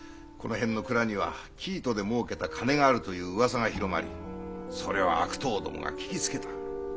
この辺の蔵には生糸で儲けた金があるという噂が広まりそれを悪党どもが聞きつけた。